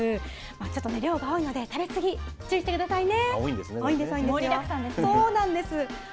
ちょっとね、量が多いので、食べ過ぎ注意してくださいね。